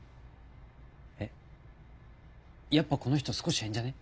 えっやっぱこの人少し変じゃね？